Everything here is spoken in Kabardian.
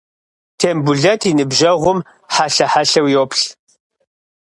Тембулэт и ныбжьэгъум хьэлъэ-хьэлъэу йоплъ.